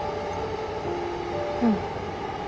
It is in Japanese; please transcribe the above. うん。